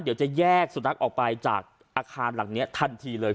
เดี๋ยวจะแยกสุนัขออกไปจากอาคารหลังนี้ทันทีเลย